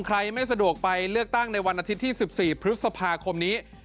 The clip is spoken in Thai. ไม่สะดวกไปเลือกตั้งในวันอาทิตย์ที่๑๔พฤษภาคมนี้